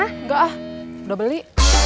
enggak udah beli